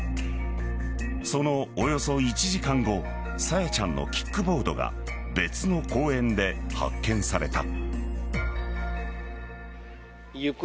そのおよそ１時間後朝芽ちゃんのキックボードが別の公園で発見された。